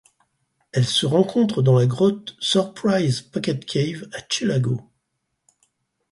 Elle se rencontre dans la grotte Surprise Packet Cave à Chillagoe.